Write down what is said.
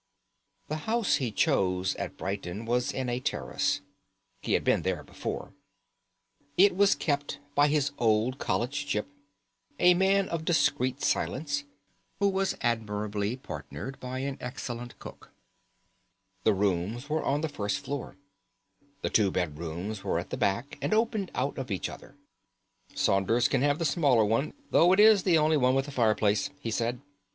The house he chose at Brighton was in a terrace. He had been there before. It was kept by his old college gyp, a man of discreet silence, who was admirably partnered by an excellent cook. The rooms were on the first floor. The two bedrooms were at the back, and opened out of each other. "Saunders can have the smaller one, though it is the only one with a fireplace," he said.